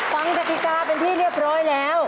กติกาเป็นที่เรียบร้อยแล้ว